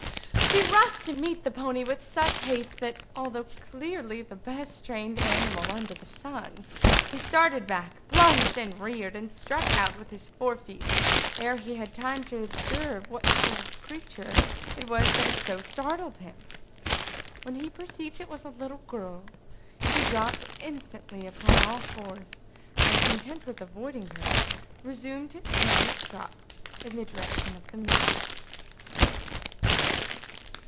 She rushed to meet the pony with such haste, that, although clearly the best trained animal under the sun, he started back, plunged, reared, and struck out with his fore feet ere he had time to observe what sort of a creature it was that had so startled him. When he perceived it was a little girl, he dropped instantly upon all fours, and content with avoiding her, resumed his quiet trot in the direction of his mistress.